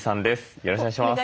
よろしくお願いします。